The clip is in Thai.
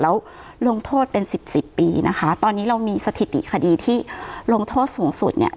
แล้วลงโทษเป็นสิบสิบปีนะคะตอนนี้เรามีสถิติคดีที่ลงโทษสูงสุดเนี่ย